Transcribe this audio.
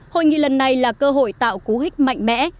hội nghị lần này là cơ hội tạo cú hích mạnh mẽ